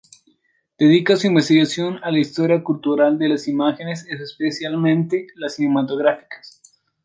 Dedica su investigación a la historia cultural de las imágenes, especialmente las cinematográficas.